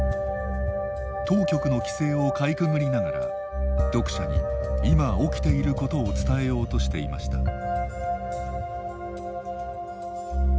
当局の規制をかいくぐりながら読者に今、起きていることを伝えようとしていました。